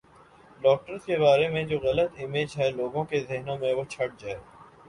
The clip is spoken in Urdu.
ڈاکٹرز کے بارے میں جو غلط امیج ہے لوگوں کے ذہنوں میں وہ چھٹ جائے